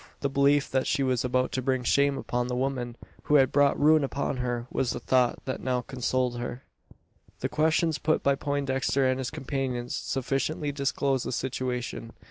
The belief that she was about to bring shame upon the woman who had brought ruin upon her, was the thought that now consoled her. The questions put by Poindexter, and his companions, sufficiently disclosed the situation.